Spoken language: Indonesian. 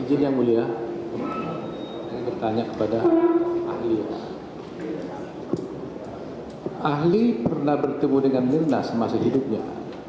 izin yang mulia saya ingin bertanya kepada ahli ahli pernah bertemu dengan mirna semasa hidupnya